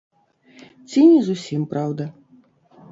Ці не зусім праўда.